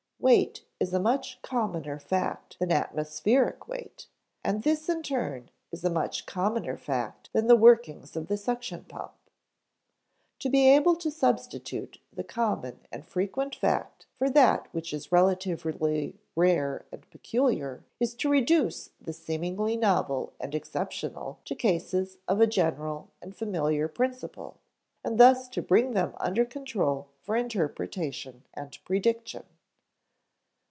Weight is a much commoner fact than atmospheric weight, and this in turn is a much commoner fact than the workings of the suction pump. To be able to substitute the common and frequent fact for that which is relatively rare and peculiar is to reduce the seemingly novel and exceptional to cases of a general and familiar principle, and thus to bring them under control for interpretation and prediction.